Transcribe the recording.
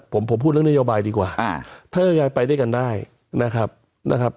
ผมผมพูดเรื่องนโยบายดีกว่าถ้านโยบายไปด้วยกันได้นะครับนะครับ